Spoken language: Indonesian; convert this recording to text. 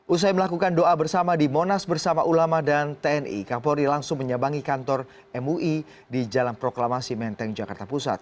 usai melakukan doa bersama di monas bersama ulama dan tni kapolri langsung menyabangi kantor mui di jalan proklamasi menteng jakarta pusat